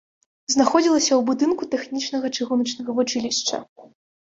Знаходзілася ў будынку тэхнічнага чыгуначнага вучылішча.